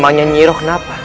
maksudnya kenapa nyiroh